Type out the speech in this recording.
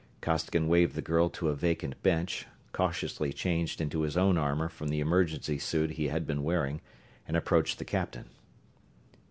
Costigan waved the girl to a vacant bench, cautiously changed into his own armor from the emergency suit he had been wearing, and approached the captain.